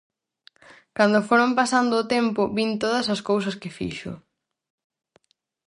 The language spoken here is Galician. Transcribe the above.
Cando foron pasando o tempo vin todas as cousas que fixo.